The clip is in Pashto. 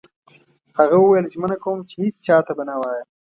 هغه وویل: ژمنه کوم چي هیڅ چا ته به نه وایم.